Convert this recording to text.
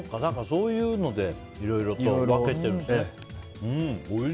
そういうのでいろいろと分けてるんですね。